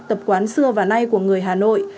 tập quán xưa và nay của người hà nội